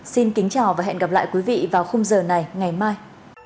xin kính chào và hẹn gặp lại quý vị vào khung giờ này ngày mai